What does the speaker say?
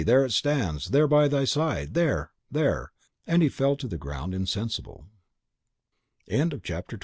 There it stands, there, by thy side, there, there!" And he fell to the ground insensible. CHAPTER 5.